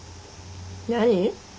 何？